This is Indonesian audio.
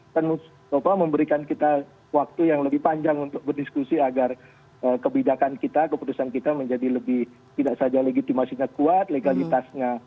kan memberikan kita waktu yang lebih panjang untuk berdiskusi agar kebijakan kita keputusan kita menjadi lebih tidak saja legitimasinya kuat legalitasnya